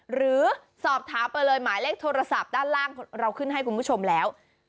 หรือสอบถามไปเลยหมายเลขโทรศัพท์ด้านล่างเราขึ้นให้คุณผู้ชมแล้ว